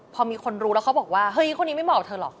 พอมีคนรู้แล้วเขาบอกว่าเฮ้ยคนนี้ไม่เหมาะเธอหรอก